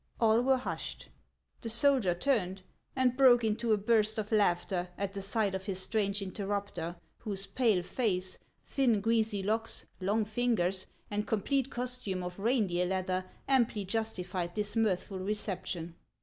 All were hushed ; the soldier turned and broke into a burst of laughter at the sight of his strange interrupter, whose pale face, thin greasy locks, long fingers, and com plete costume of reindeer leather amply justified this mirthful reception.